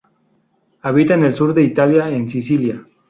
Habita en el sur de Italia en Sicilia.